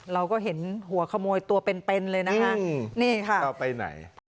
เราก็เห็นหัวขโมยตัวเป็นเป็นเลยนะคะนี่ค่ะเราไปไหน